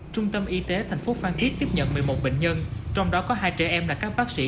trung tâm y tế tp phan thiết tiếp nhận một mươi một bệnh nhân trong đó có hai trẻ em là các bác sĩ